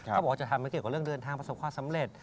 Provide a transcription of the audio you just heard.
เขาบอกว่าจะทำให้เกี่ยวกับเรื่องเดินทางประสบความสำเร็จ